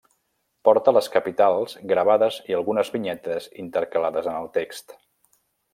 Porta les capitals gravades i algunes vinyetes intercalades en el text.